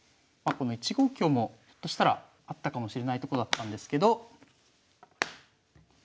まあこの１五香もひょっとしたらあったかもしれないとこだったんですけど。